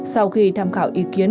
sau khi tham khảo ý kiến